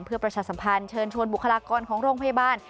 เพื่อประชาสัมพันธ์เชิญชวนบุคลากรของโรงพยาบาล